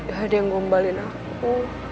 gak ada yang ngombalin aku